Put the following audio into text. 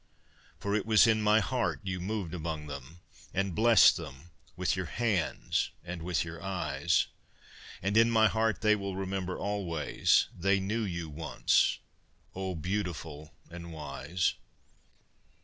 For it was in my heart you moved among them, And blessed them with your hands and with your eyes; And in my heart they will remember always, They knew you once, O beautiful and wise.